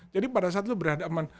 jadi pada saat lu berhadapan